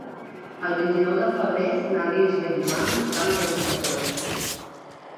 El vint-i-nou de febrer na Lis i en Joan van a Benifato.